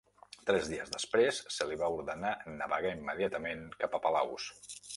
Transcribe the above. Tres dies després, se li va ordenar navegar immediatament cap a Palaus.